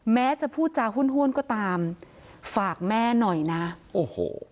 แม้จะพูดจาห้วนห้วนก็ตามฝากแม่หน่อยนะโอ้โห